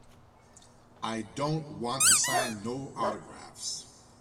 I don't wanta sign no autographs.